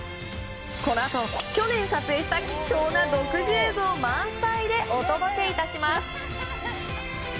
このあと去年撮影した貴重な独自映像満載でお届け致します。